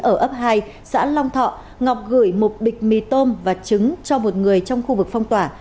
ở ấp hai xã long thọ ngọc gửi một bịch mì tôm và trứng cho một người trong khu vực phong tỏa